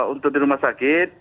untuk di rumah sakit